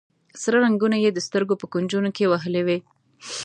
سره رنګونه یې د سترګو په کونجونو کې وهلي وي.